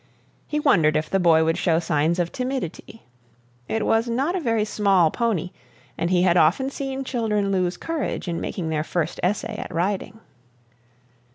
He wondered if the boy would show signs of timidity. It was not a very small pony, and he had often seen children lose courage in making their first essay at riding.